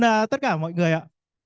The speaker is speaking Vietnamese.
và tất cả mọi người ạ